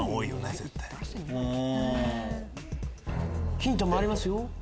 ヒントもありますよ。